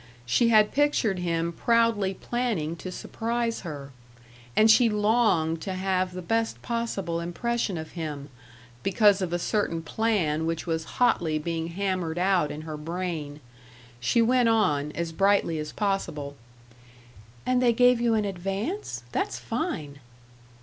She had pictured him proudly planning to surprise her. And she longed to have the best possible impression of him, because of a certain plan which was hotly being hammered out in her brain. She went on, as brightly as possible: "And they gave you an advance? That's fine."